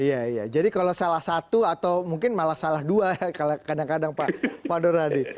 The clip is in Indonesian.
iya iya jadi kalau salah satu atau mungkin malah salah dua ya kadang kadang pak nur hadi